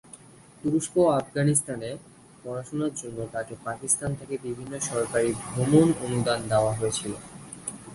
তুরস্ক ও আফগানিস্তানে পড়াশুনার জন্য তাকে পাকিস্তান থেকে বিভিন্ন সরকারি ভ্রমণ অনুদান দেওয়া হয়েছিল।